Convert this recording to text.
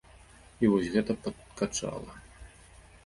І вось гэта падкачала.